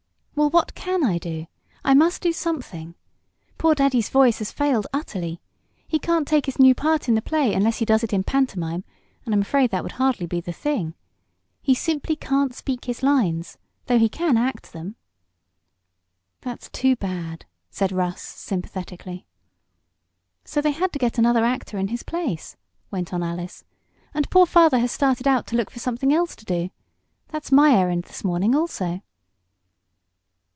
"Well, what can I do? I must do something. Poor daddy's voice has failed utterly. He can't take his new part in the play unless he does it in pantomime, and I'm afraid that would hardly be the thing. He simply can't speak his lines, though he can act them." "That's too bad," said Russ, sympathetically. "So they had to get another actor in his place," went on Alice, "and poor father has started out to look for something else to do. That's my errand this morning, also."